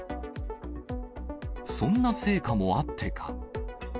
そんな成果もあってか。